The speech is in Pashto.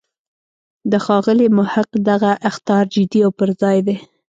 د ښاغلي محق دغه اخطار جدی او پر ځای دی.